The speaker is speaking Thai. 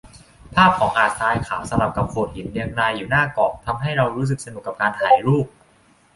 ภาพของหาดทรายขาวสลับกับโขดหินเรียงรายอยู่หน้าเกาะ ทำให้เรารู้สึกสนุกกับการถ่ายรูป